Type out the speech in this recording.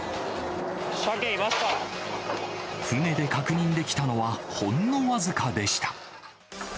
船で確認できたのはほんの僅かでした。